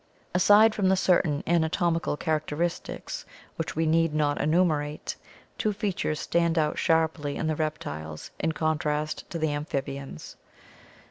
ORGANIC EVOLUTION Reptiles Aside from certain anatomical characteristics, which we need not enumerate, two features stand out sharply in the reptiles in con trast to the amphibians.